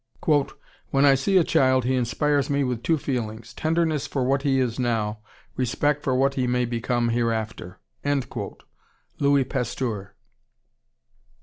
"When I see a child he inspires me with two feelings: tenderness for what he is now, respect for what he may become hereafter." Louis Pasteur.